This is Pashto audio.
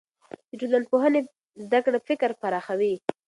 د ټولنپوهنې زده کړه فکر پراخوي.